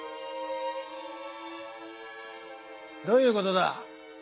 どういうことだ？